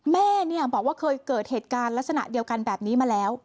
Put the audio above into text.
แม่บอกว่าเคยเกิดเหตุการณ์ลักษณะเดียวกันแบบนี้มาแล้ว